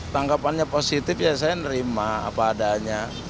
tanggapannya positif ya saya nerima apa adanya